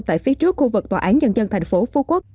tại phía trước khu vực tòa án nhân dân thành phố phú quốc